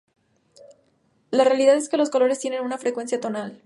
La realidad es que los colores tienen una frecuencia tonal.